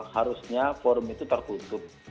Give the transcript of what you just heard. harusnya forum itu tertutup